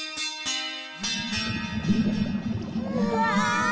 うわ！